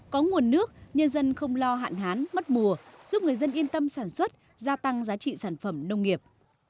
có nguồn nước nhân dân không lo hạn hán mất mùa giúp người dân yên tâm sản xuất gia tăng giá trị sản phẩm nông nghiệp